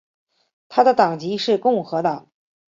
他的党籍是共和党。